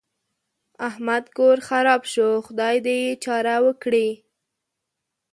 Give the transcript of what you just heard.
احمد کور خراپ شو؛ خدای دې يې چاره وکړي.